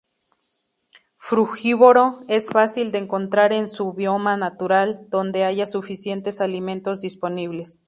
Frugívoro, es fácil de encontrar en su bioma natural, donde haya suficientes alimentos disponibles.